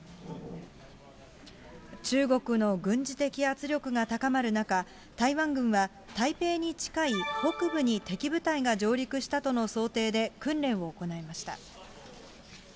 中国の軍事的圧力が高まる中、台湾軍は台北に近い北部に敵部隊が上陸したとの想定で訓練を行いました。